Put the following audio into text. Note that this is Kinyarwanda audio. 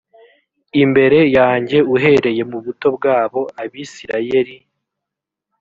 imbere yanjye uhereye mu buto bwabo abisirayeli